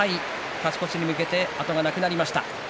勝ち越しに向けて後がなくなりました。